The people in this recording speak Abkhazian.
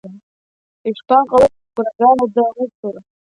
Ишԥаҟалои, гәрагарада аусура?